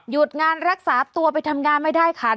งานรักษาตัวไปทำงานไม่ได้ค่ะ